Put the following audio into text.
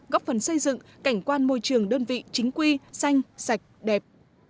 góp phần xây dựng cảnh quan môi trường đơn vị chính quy xanh sạch đẹp